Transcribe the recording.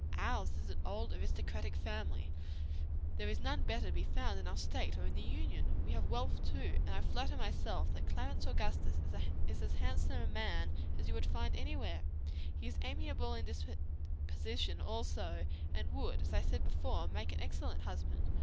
"Ours is an old, aristocratic family; none better to be found in our state, or in the Union; we have wealth too, and I flatter myself that Clarence Augustus is as handsome a man as you would find anywhere; amiable in disposition also, and would, as I said before, make an excellent husband.